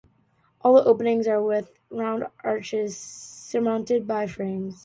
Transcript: All the openings are with round arches surmounted by frames.